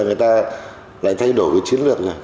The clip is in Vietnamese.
người ta lại thay đổi cái chiến lược rồi